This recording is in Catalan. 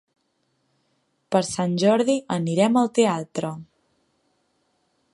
Per Sant Jordi anirem al teatre.